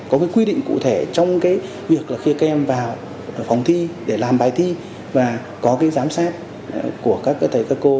có cái quy định cụ thể trong cái việc là khi các em vào phòng thi để làm bài thi và có cái giám sát của các thầy các cô